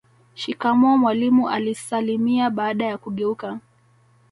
shikamoo mwalimu alisalimia baada ya kugeuka